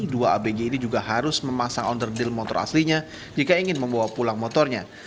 dua abg ini juga harus memasang onder deal motor aslinya jika ingin membawa pulang motornya